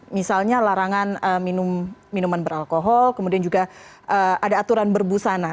misalnya larangan minuman beralkohol kemudian juga ada aturan berbusana